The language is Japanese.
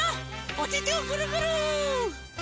おててをぐるぐる！